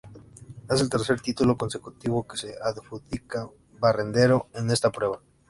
Es el tercer título consecutivo que se adjudica Barrendero en esta prueba.